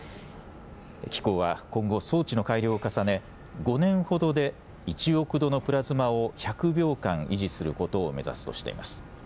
機構は今後、装置の改良を重ね５年ほどで１億度のプラズマを１００秒間維持することを目指すとしています。